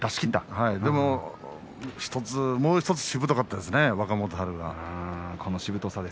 でも、もうひとつしぶとかったですね、若元春が。